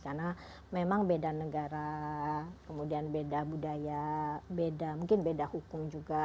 karena memang beda negara kemudian beda budaya beda mungkin beda hukum juga